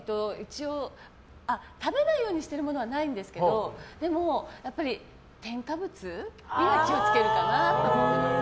食べないようにしているものはないんですけどでも、添加物には気を付けるかな。